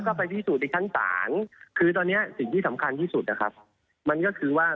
แล้วก็ไปที่สูตรอีกคันสามคือตอนเนี้ยสิ่งที่สำคัญที่สุดอะครับมันก็คือว่า